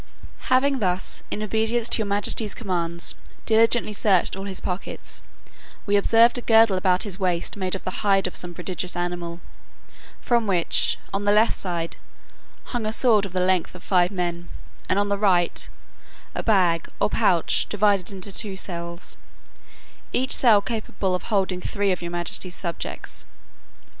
"Having thus, in obedience to your majesty's commands, diligently searched all his pockets, we observed a girdle about his waist made of the hide of some prodigious animal, from which, on the left side, hung a sword of the length of five men; and on the right, a bag or pouch divided into two cells, each cell capable of holding three of your majesty's subjects.